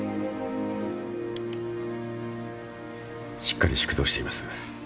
しっかり縮瞳しています。